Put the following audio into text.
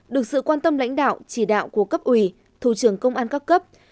được sự quan tâm lãnh đạo chỉ đạo của cấp ủy thủ trưởng công an các cấp